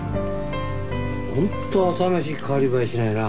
本当朝飯代わり映えしないな。